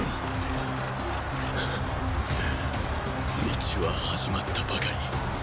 道は始まったばかり。